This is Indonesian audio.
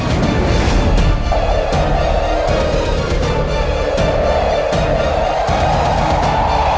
aku akan menikah denganmu